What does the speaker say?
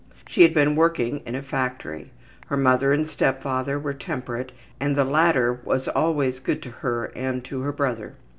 She had been working in a factory. Her mother and step father were temperate and the latter was always good to her and to her brother.